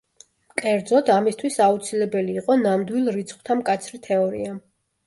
კერძოდ, ამისთვის აუცილებელი იყო ნამდვილ რიცხვთა მკაცრი თეორია.